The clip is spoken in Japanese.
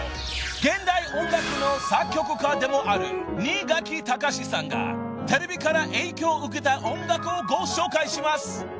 ［現代音楽の作曲家でもある新垣隆さんがテレビから影響を受けた音楽をご紹介します］